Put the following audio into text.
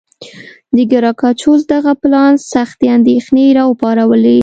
د ګراکچوس دغه پلان سختې اندېښنې را وپارولې.